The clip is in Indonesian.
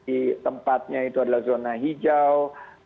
di tempatnya itu adalah zona hijau